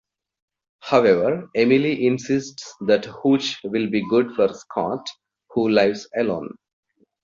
However, Emily insists that Hooch will be good for Scott, who lives alone.